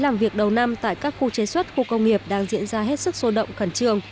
trong việc đầu năm tại các khu chế xuất khu công nghiệp đang diễn ra hết sức sô động khẩn trường